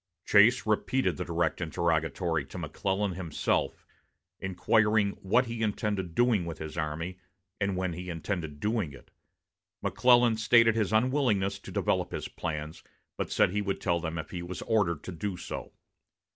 Chase repeated the direct interrogatory to McClellan himself, inquiring what he intended doing with his army, and when he intended doing it. McClellan stated his unwillingness to develop his plans, but said he would tell them if he was ordered to do so.